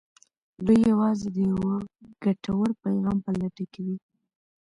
دوی يوازې د يوه ګټور پيغام په لټه کې وي.